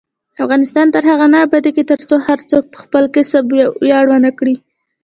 افغانستان تر هغو نه ابادیږي، ترڅو هر څوک په خپل کسب ویاړ ونه کړي.